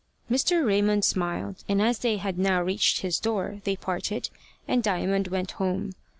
Mr. Raymond smiled, and as they had now reached his door, they parted, and Diamond went home.